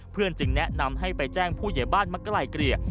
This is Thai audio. เพื่อนจึงแนะนำให้ไปแจ้งผู้เหยียบ้านมะกะไหล่เกลี่ย